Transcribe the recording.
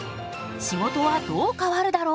仕事はどう変わるだろう？